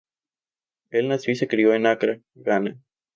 El nació y se crio en Acra, Ghana.